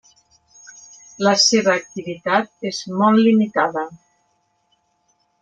La seva activitat és molt limitada.